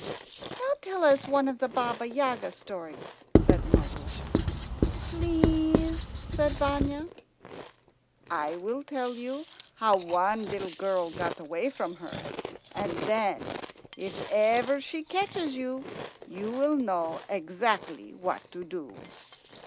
"Now tell us one of the Baba Yaga stories," said Maroosia. "Please," said Vanya. "I will tell you how one little girl got away from her, and then, if ever she catches you, you will know exactly what to do."